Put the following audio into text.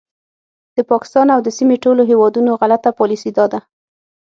د پاکستان او د سیمې ټولو هیوادونو غلطه پالیسي دا ده